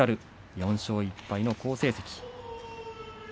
４勝１敗の好成績。